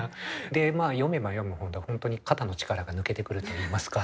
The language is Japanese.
で読めば読むほど本当に肩の力が抜けてくるといいますか。